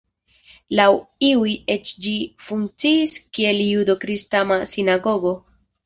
Laŭ iuj eĉ ĝi funkciis kiel judo-kristama sinagogo.